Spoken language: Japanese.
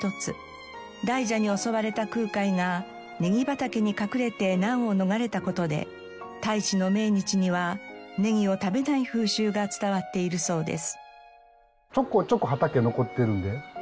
大蛇に襲われた空海がネギ畑に隠れて難を逃れた事で大師の命日にはネギを食べない風習が伝わっているそうです。